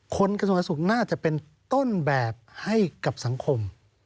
กระทรวงสุขน่าจะเป็นต้นแบบให้กับสังคม